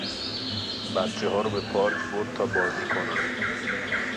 بچهها رو به پارک برد تا بازی کنن